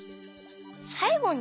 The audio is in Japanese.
「さいごに」？